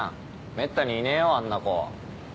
めったにいねえよあんな子。